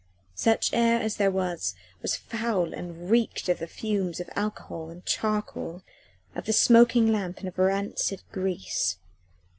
Such air as there was, was foul and reeked of the fumes of alcohol and charcoal, of the smoking lamp and of rancid grease.